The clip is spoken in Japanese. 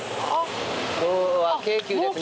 今日は京急ですね。